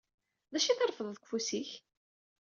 D acu i trefdeḍ deg ufus-ik?